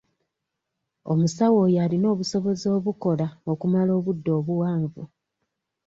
Omusawo oyo alina obusobozi obukola okumala obudde obuwanvu.